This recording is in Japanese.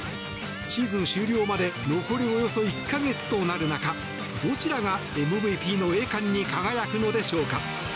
シーズン終了まで残りおよそ１か月となる中どちらがＭＶＰの栄冠に輝くのでしょうか？